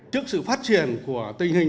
trước sự phát triển của tình hình